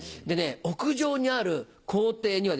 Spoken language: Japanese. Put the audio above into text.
屋上にある校庭にはですね